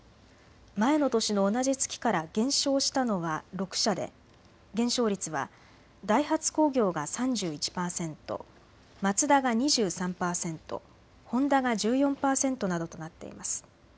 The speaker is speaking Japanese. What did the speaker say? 前の年の同じ月から減少したのは６社で減少率はダイハツ工業が３１％、マツダが２３％、ホンダが１４％などとなっています。